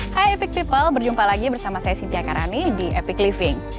hai epic people berjumpa lagi bersama saya sintia karani di epic living